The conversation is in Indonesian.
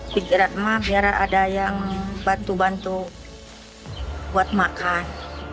pikiran mah biar ada yang bantu bantu buat makan